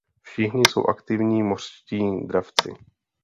Všichni jsou aktivní mořští dravci.